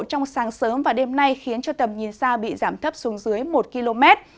trong sáng sớm và đêm nay khiến cho tầm nhìn xa bị giảm thấp xuống dưới một km